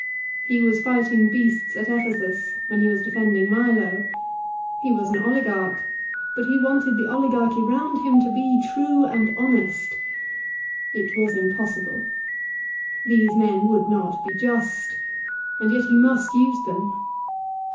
He was fighting beasts at Ephesus when he was defending Milo. He was an oligarch, but he wanted the oligarchy round him to be true and honest ! It was impossible. These men would not be just, and yet he must use them.